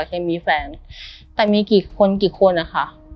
เคยมีแฟนแต่มีกี่คนกี่คนนะคะ